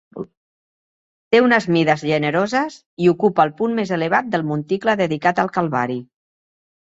Té unes mides generoses i ocupa el punt més elevat del monticle dedicat al Calvari.